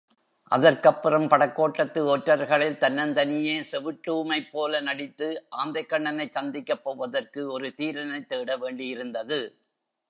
அதற்கப்புறம் படைக் கோட்டத்து ஒற்றர்களில் தன்னந்தனியே செவிட்டூமைப்போல நடித்து ஆந்தைக்கண்ணனைச் சந்திக்கப் போவதற்கு ஒரு தீரனைத் தேட வேண்டியிருந்தது.